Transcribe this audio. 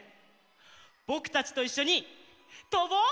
ぼくたちといっしょにとぼう！